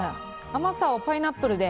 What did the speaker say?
甘さをパイナップルで。